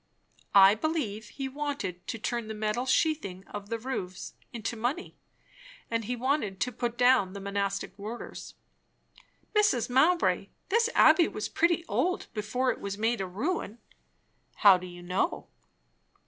"I believe he wanted to turn the metal sheathing of the roofs into money. And he wanted to put down the monastic orders." "Mrs. Mowbray, this abbey was pretty old before it was made a ruin." "How do you know?"